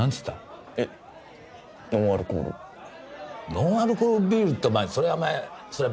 ノンアルコールビールってそりゃお前そりゃ